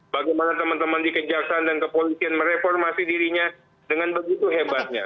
bagaimana teman teman di kejaksaan dan kepolisian mereformasi dirinya dengan begitu hebatnya